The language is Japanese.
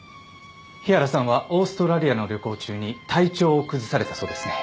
日原さんはオーストラリアの旅行中に体調を崩されたそうですね。